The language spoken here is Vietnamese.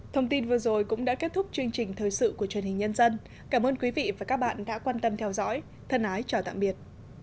thông tin vừa rồi cũng đã kết thúc chương trình thời sự của truyền hình nhân dân cảm ơn quý vị và các bạn đã quan tâm theo dõi thân ái chào tạm biệt